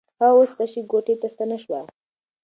هغه اوس تشې کوټې ته ستنه شوه.